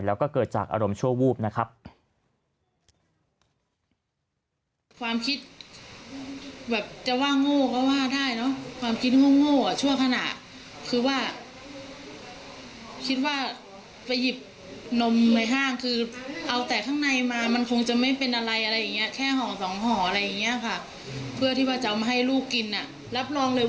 แล้วก็เกิดจากอารมณ์ชั่ววูบนะครับ